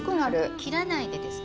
切らないでですか？